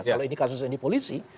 kalau ini kasusnya di polisi